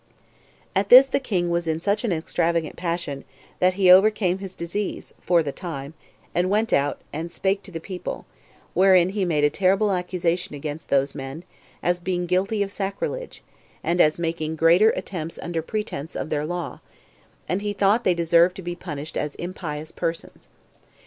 At this the king was in such an extravagant passion, that he overcame his disease [for the time,] and went out, and spake to the people; wherein he made a terrible accusation against those men, as being guilty of sacrilege, and as making greater attempts under pretense of their law, and he thought they deserved to be punished as impious persons.